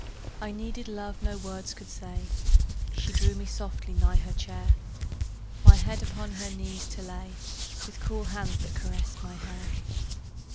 I needed love no words could say; She drew me softly nigh her chair, My head upon her knees to lay, With cool hands that caressed my hair.